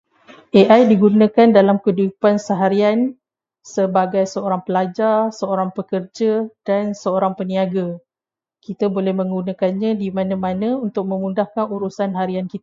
AI digunakan dalam kehidupan seharian sebagai seorang pelajar, seorang pekerja, dan seorang peniaga. Kita boleh menggunakannya di mana-mana untuk memudahkan urusan harian kita.